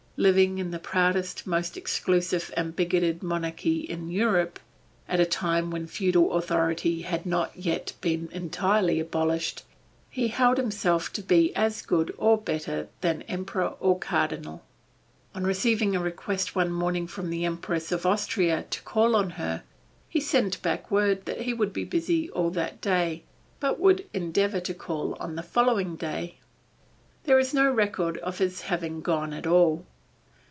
Living in the proudest most exclusive and bigoted monarchy in Europe, at a time when feudal authority had not yet been entirely abolished, he held himself to be as good or better than Emperor or Cardinal. On receiving a request one morning from the Empress of Austria to call on her, he sent back word that he would be busy all that day, but would endeavor to call on the following day. There is no record of his having gone at all.